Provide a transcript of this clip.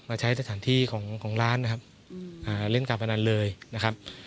ใช้สถานที่ของร้านนะครับเล่นการพนันเลยนะครับ